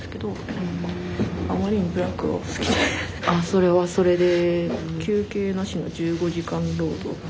それはそれで。